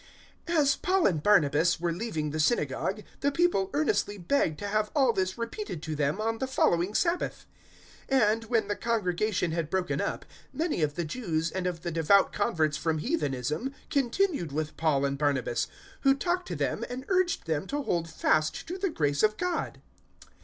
'" 013:042 As Paul and Barnabas were leaving the synagogue, the people earnestly begged to have all this repeated to them on the following Sabbath. 013:043 And, when the congregation had broken up, many of the Jews and of the devout converts from heathenism continued with Paul and Barnabas, who talked to them and urged them to hold fast to the grace of God.